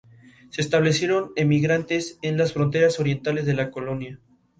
Estudió actuación en el New World School of the Arts y en Paris Conservatoire.